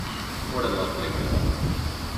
What a Lovely War.